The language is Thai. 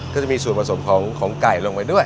ก็จะมีส่วนผสมของไก่ลงไปด้วย